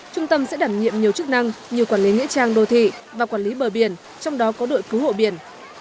trung tâm sẽ đảm nhiệm nhiều chức năng như quản lý nghĩa trang đô thị và quản lý bờ biển trong đó có đội cứu hộ biển